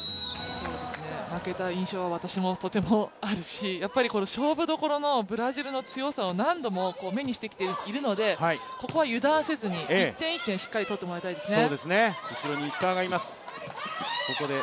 負けた印象は、私もとてもあるし勝負どころのブラジルの強さを何度も目にしてきているのでここは油断せずに１点１点しっかり取ってもらいたいですね。